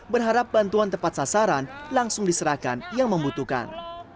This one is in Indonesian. berharap bantuan tepat sasaran langsung diserahkan yang membutuhkan